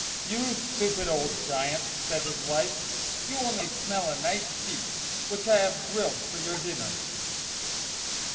"You stupid old Giant," said his wife, "you only smell a nice sheep, which I have grilled for your dinner.